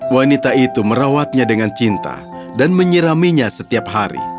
wanita itu merawatnya dengan cinta dan menyiraminya setiap hari